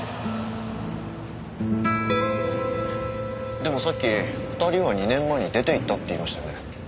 でもさっき２人は２年前に出ていったって言いましたよね？